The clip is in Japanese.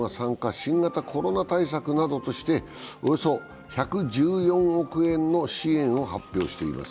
新型コロナ対策などとして、およそ１１４億円の支援を発表しています。